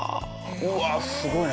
うわっすごいね。